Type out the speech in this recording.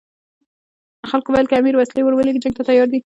خلکو ویل که امیر وسلې ورولېږي جنګ ته تیار دي.